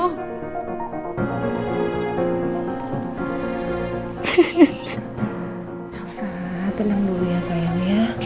nilsa tenang dulu ya sayang ya